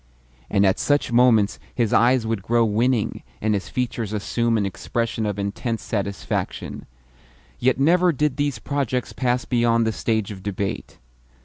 And at such moments his eyes would grow winning, and his features assume an expression of intense satisfaction. Yet never did these projects pass beyond the stage of debate.